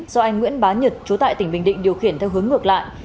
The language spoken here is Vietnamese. do anh nguyễn bá nhật chú tại tỉnh bình định điều khiển theo hướng ngược lại